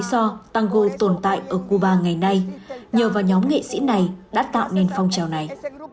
chính là lý do tango tồn tại ở cuba ngày nay nhờ vào nhóm nghệ sĩ này đã tạo nên phong trào này